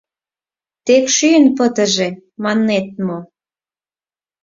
— Тек шӱйын пытыже, маннет мо?